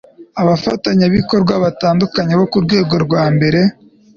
abafatanyabikorwa batandukanye bo ku rwego rwa mbere